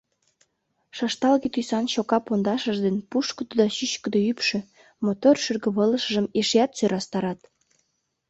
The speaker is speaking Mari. Шышталге тӱсан чока пондашыж ден пушкыдо да чӱчкыдӧ ӱпшӧ мотор шӱргывылышыжым эшеат сӧрастарат.